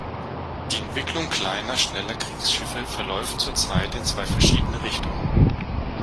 Die Entwicklung kleiner, schneller Kriegsschiffe verläuft zurzeit in zwei verschiedene Richtungen.